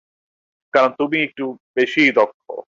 কারণ, তুমিই একটু বেশিই দক্ষ!